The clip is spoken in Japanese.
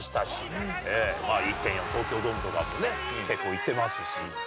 １．４東京ドームとかもね結構行ってますし。